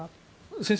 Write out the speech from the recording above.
先生